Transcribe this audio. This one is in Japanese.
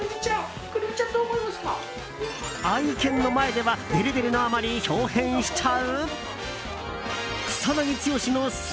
愛犬の前ではデレデレのあまり豹変しちゃう？